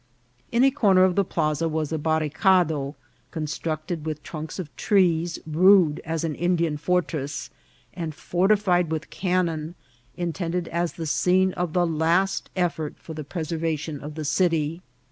In a corner of the plaza was a barri cade, constructed with trunks of trees, rude as an In dian fortress, and fortified with cannon, intended as the scene of the last effort for the preservation of the city.